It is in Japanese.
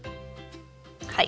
はい。